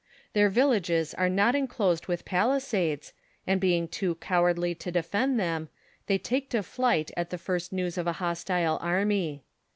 Their villages are not enclosed with palisades, and being too cowardly to defend them, they take to flight at the first news of a hostile army.